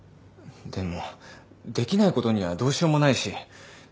でもできないことにはどうしようもないし。